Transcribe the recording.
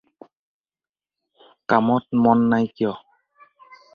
কামত মন নাই কিয়?